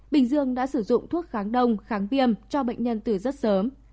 bình dương đã sử dụng thuốc kháng đông kháng viêm cho bệnh nhân từ rất sớm